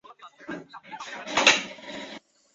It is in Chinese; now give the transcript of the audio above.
高蒂一直被关押在伊利诺斯州斯普林菲尔德监狱。